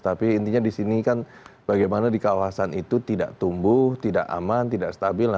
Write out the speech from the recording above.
tapi intinya di sini kan bagaimana di kawasan itu tidak tumbuh tidak aman tidak stabil